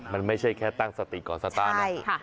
มันไม่ใช่แค่ตั้งสติก่อนสตาร์ท